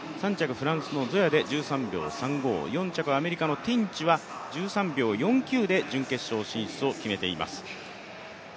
フランスのゾヤで１３秒３５４着、アメリカのティンチは１３秒４９で準決勝進出を決めています。